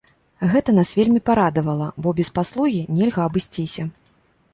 Гэта нас вельмі парадавала, бо без паслугі нельга абысціся.